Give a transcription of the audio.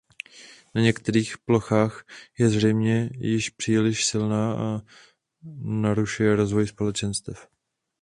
Na některých plochách je zřejmě již příliš silná a narušuje rozvoj společenstev.